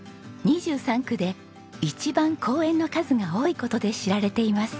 ２３区で一番公園の数が多い事で知られています。